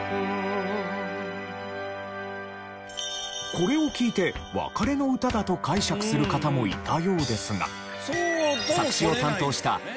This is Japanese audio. これを聴いて別れの歌だと解釈する方もいたようですが。